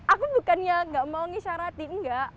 aku bukannya gak mau ngisyaratin enggak